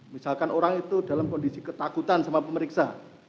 misalkan orang itu dalam kondisi ketakutan sama pemeriksa